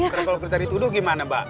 sekarang kalau kita dituduh gimana mbak